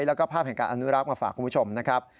แล้วก็ภาพแห่งการอนุรักษ์มาฝากคุณผู้ชมนะครับ